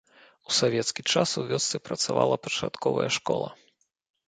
У савецкі час у вёсцы працавала пачатковая школа.